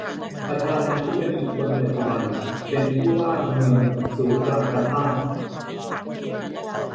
ประธานาธิปดีคนปัจจุบัน เป็นผู้ว่าเมืองสุราการ์ตา